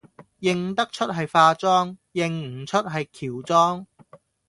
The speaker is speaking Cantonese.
認得出係化妝，認唔出係喬妝